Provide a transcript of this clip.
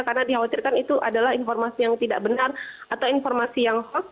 karena dikhawatirkan itu adalah informasi yang tidak benar atau informasi yang hoax